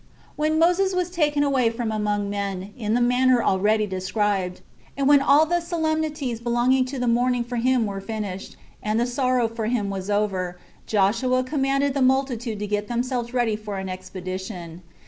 1. When Moses was taken away from among men, in the manner already described, and when all the solemnities belonging to the mourning for him were finished, and the sorrow for him was over, Joshua commanded the multitude to get themselves ready for an expedition.